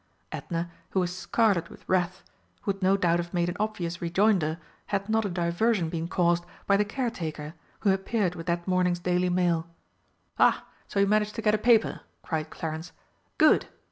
Edna, who was scarlet with wrath, would no doubt have made an obvious rejoinder had not a diversion been caused by the caretaker, who appeared with that morning's Daily Mail. "Ah, so you managed to get a paper?" cried Clarence. "Good!"